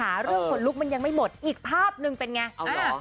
แล้วเรื่องคนลุกมันยังไม่หมดอีกภาพหนึ่งเป็นไงเอาเหรอ